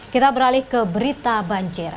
kita beralih ke berita banjir